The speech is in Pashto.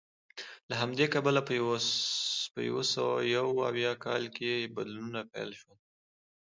له همدې کبله په یو سوه یو اویا کال کې بدلونونه پیل شول